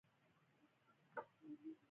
هاغه مهال چا ورته پام ونه کړ.